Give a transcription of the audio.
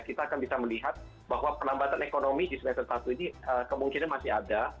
kita akan bisa melihat bahwa perlambatan ekonomi di semester satu ini kemungkinan masih ada